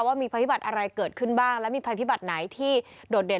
ว่ามีภัยพิบัติอะไรเกิดขึ้นบ้างและมีภัยพิบัติไหนที่โดดเด่น